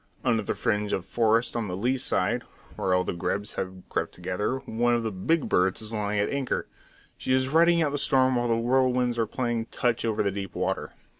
Under the fringe of forest on the lee side, where all the grebes have crept together, one of the "big birds" is lying at anchor. She is riding out the storm while the whirlwinds are playing touch over the deep water.